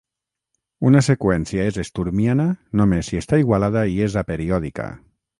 Una seqüència és "esturmiana" només si està igualada i és aperiòdica.